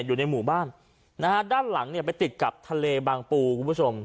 อยู่ในหมู่บ้านนะฮะด้านหลังเนี่ยไปติดกับทะเลบางปูคุณผู้ชม